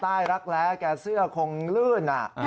รักแร้แกเสื้อคงลื่น